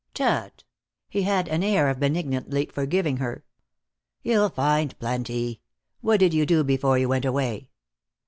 "Tut." He had an air of benignantly forgiving her. "You'll find plenty. What did you do before you went away?"